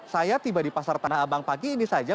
saya tiba di pasar tanah abang pagi ini saja